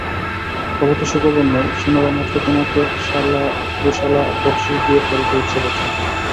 খবরটি সুখবর নয়– শোনবামাত্র তোমাকে শাল-দোশালা বকশিশ দিয়ে ফেলতে ইচ্ছে করছে না।